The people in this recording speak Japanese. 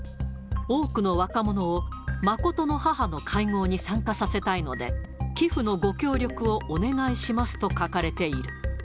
多くの若者を真の母の会合に参加させたいので、寄付のご協力をお願いしますと書かれている。